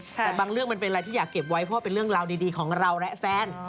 แต่บางเรื่องมันเป็นอะไรที่อยากเก็บไว้เพราะเป็นเรื่องราวดีของเราและแฟน